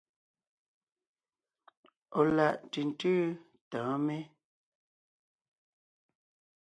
Ɔ̀ láʼ ntʉ̀ntʉ́ tɔ̌ɔn mé?